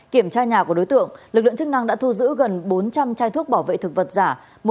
kiểm tra nhà của đối tượng lực lượng chức năng đã thu giữ gần bốn trăm linh chai thuốc bảo vệ thực vật giả